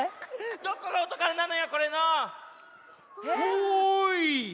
どこがおたからなのよこれの！おい！